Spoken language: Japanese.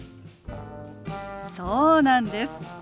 そうなんです。